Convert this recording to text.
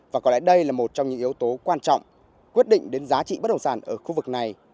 và có lẽ đây là một trong những yếu tố quan trọng quyết định đến giá trị bất đồng sản ở khu vực này